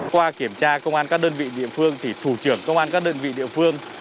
qua kiểm tra công an các đơn vị địa phương thì thủ trưởng công an các đơn vị địa phương